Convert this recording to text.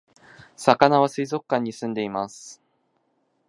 さかなは水族館に住んでいます